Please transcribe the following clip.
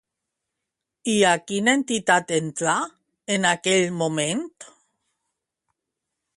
I a quina entitat entrà en aquell moment?